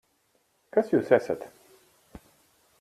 Kas Jūs esat?